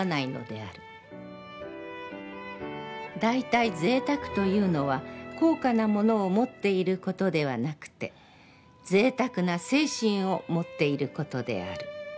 だいたい贅沢というのは高価なものを持っていることではなくて、贅沢な精神を持っていることである。